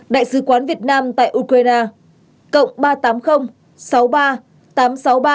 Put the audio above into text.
đại sứ quán việt nam tại romania